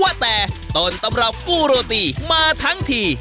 ว่าแต่ต้นตำรับกู้โรตีมาทั้งที